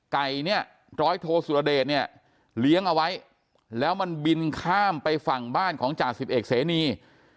ไก่เนี่ยร้อยโทสุรเดชเนี่ยเลี้ยงเอาไว้แล้วมันบินข้ามไปฝั่งบ้านของจ่าสิบเอกเสนี